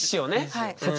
はい。